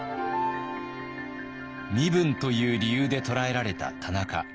身分という理由で捕らえられた田中。